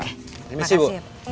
terima kasih bu